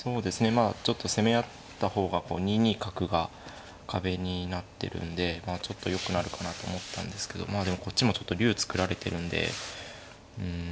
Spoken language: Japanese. まあちょっと攻め合った方がこう２二角が壁になってるんでちょっとよくなるかなと思ったんですけどまあでもこっちも竜作られてるんでうん